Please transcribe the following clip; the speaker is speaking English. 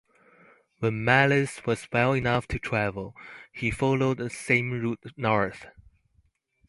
When Melliss was well enough to travel, he followed the same route north.